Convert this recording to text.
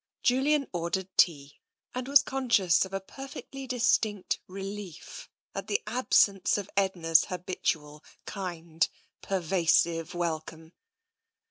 ^ Julian ordered tea and was conscious of a perfectly distinct relief at the absence of Edna's habitual kind, pervasive welcome.